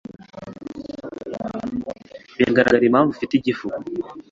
Biragaragara impamvu ufite igifu.